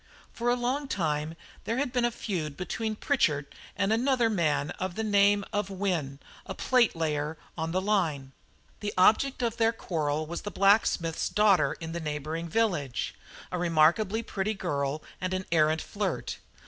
"For a long time there had been a feud between Pritchard and another man of the name of Wynne, a platelayer on the line. The object of their quarrel was the blacksmith's daughter in the neighbouring village a remarkably pretty girl and an arrant flirt.